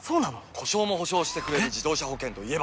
故障も補償してくれる自動車保険といえば？